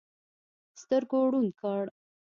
سترګو ړوند کړ.